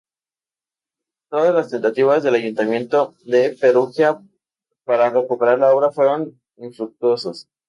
Todas las tentativas del ayuntamiento de Perugia para recuperar la obra fueron infructuosas.